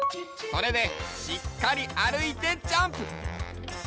それでしっかりあるいてジャンプ！